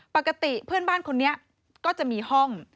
ปกติเพื่อนบ้านคนนี้ก็จะมีห้อง